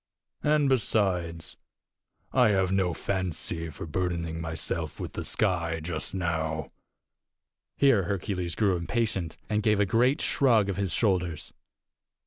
And, besides, I have no fancy for burdening myself with the sky just now." Here Hercules grew impatient, and gave a great shrug of his shoulders.